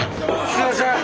すいません。